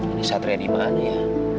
ini satria dimana ya